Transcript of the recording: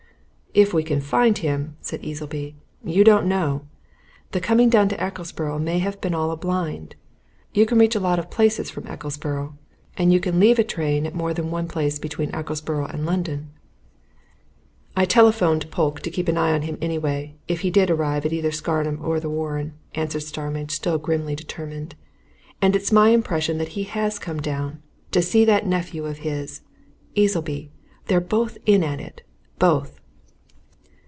"If we can find him," said Easleby. "You don't know! The coming down to Ecclesborough may have been all a blind. You can reach a lot of places from Ecclesborough and you can leave a train at more than one place between Ecclesborough and London." "I telephoned Polke to keep an eye on him, anyway, if he did arrive at either Scarnham or the Warren," answered Starmidge, still grimly determined. "And it's my impression that he has come down to see that nephew of his. Easleby! they're both in at it. Both!"